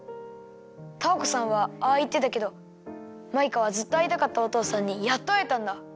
タアコさんはああいってたけどマイカはずっとあいたかったおとうさんにやっとあえたんだ。